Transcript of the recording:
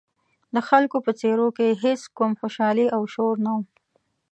د خلکو په څېرو کې هېڅ کوم خوشحالي او شور نه و.